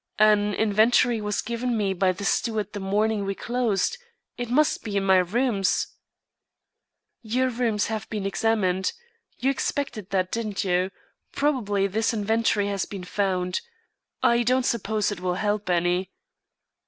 "An inventory was given me by the steward the morning we closed. It must be in my rooms." "Your rooms have been examined. You expected that, didn't you? Probably this inventory has been found. I don't suppose it will help any."